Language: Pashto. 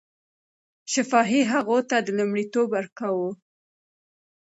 شفاهي هغو ته لومړیتوب ورکاوه.